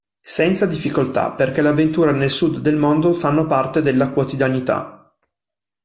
Senza difficoltà perché le avventure nel Sud del mondo fanno parte della quotidianità.